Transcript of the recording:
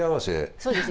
そうですね。